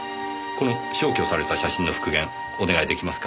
この消去された写真の復元お願いできますか。